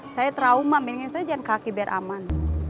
saya trauma mendingan saya jalan kaki biar aman